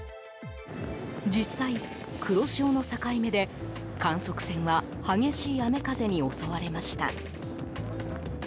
実際、黒潮の境目で観測船は激しい雨風に襲われました。